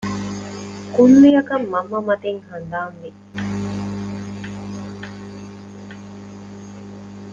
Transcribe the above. ކުއްލިއަކަށް މަންމަ މަތިން ހަނދާންވި